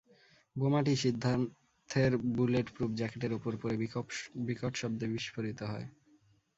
বোমাটি সিদ্ধার্থের bulletproof জ্যাকেটের ওপর পড়ে বিকট শব্দে বিস্ফোরিত হয়।